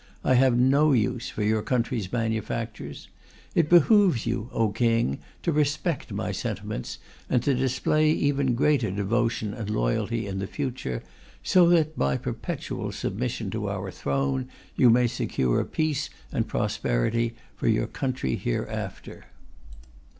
I ... have no use for your country's manufactures. ...It behoves you, O King, to respect my sentiments and to display even greater devotion and loyalty in future, so that, by perpetual submission to our Throne, you may secure peace and prosperity for your country hereafter.